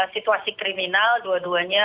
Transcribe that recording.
situasi kriminal dua duanya